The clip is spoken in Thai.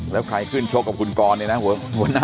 แล้วใครขึ้นชกกับคุณกรเนี่ยนะ